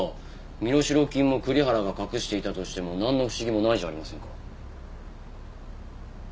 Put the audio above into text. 身代金も栗原が隠していたとしてもなんの不思議もないじゃありませんか。